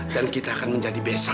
dan kita akan menjadi besan